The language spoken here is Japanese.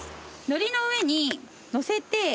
のりの上に載せて。